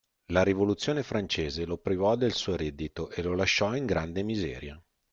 La rivoluzione francese lo privò del suo reddito e lo lasciò in grande miseria.